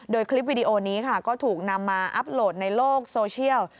โดยคลิปวิดีโอนี้ค่ะก็ถูกนำมาอัพโหลดในโลกโซเชียล